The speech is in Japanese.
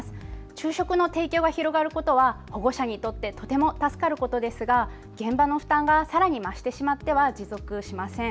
昼食の提供が広がることは保護者にとってとても助かることですが現場の負担がさらに増してしまっては持続しません。